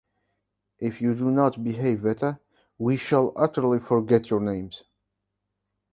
If you do not behave better, we shall utterly forget your names.